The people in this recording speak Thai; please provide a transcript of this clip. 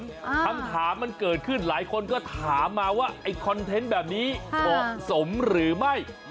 คำถามมันเกิดขึ้นหลายคนก็ถามมาว่าไอ้คอนเทนต์แบบนี้เหมาะสมหรือไม่